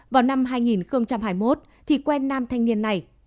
vào năm hai nghìn hai mươi một thì quen nam thanh niên này